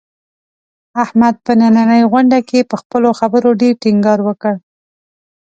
احمد په نننۍ غونډه کې، په خپلو خبرو ډېر ټینګار وکړ.